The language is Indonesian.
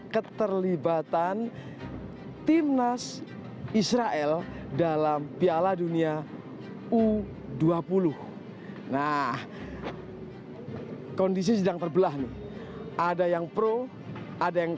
keterlibatan timnas israel dalam piala dunia u dua puluh nah kondisi sedang terbelah nih ada yang pro ada yang